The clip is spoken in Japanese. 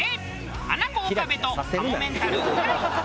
ハナコ岡部とかもめんたるう大。